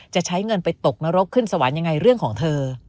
จะใช้เงินไปตกนรกขึ้นสวรรค์ยังไงเรื่องของเธอ